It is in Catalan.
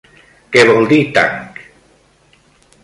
Què vol dir tanc?